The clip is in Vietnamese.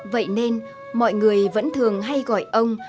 vậy nên mọi người vẫn thường hay gọi ông